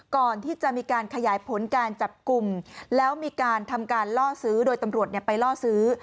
ก่อนที่จะมีการขยายผลการจับกลุ่มแล้วมีการทำการล่อซื้อโดยตำรวจไปล่อซื้อ